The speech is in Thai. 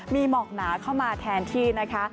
มีหมอกหนาเข้ามาแทนที่นะคะ